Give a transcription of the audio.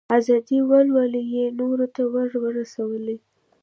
د ازادۍ ولولې یې نورو ته ور ورسولې.